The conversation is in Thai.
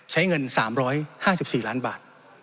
ใช้เงิน๓๕๔ล้านบาท